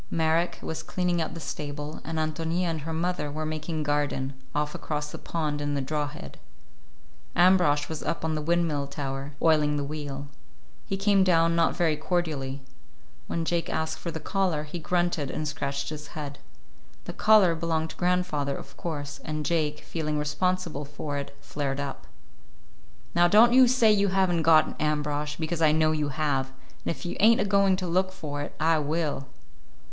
Marek was cleaning out the stable, and Ántonia and her mother were making garden, off across the pond in the draw head. Ambrosch was up on the windmill tower, oiling the wheel. He came down, not very cordially. When Jake asked for the collar, he grunted and scratched his head. The collar belonged to grandfather, of course, and Jake, feeling responsible for it, flared up. "Now, don't you say you have n't got it, Ambrosch, because I know you have, and if you ain't a going to look for it, I will."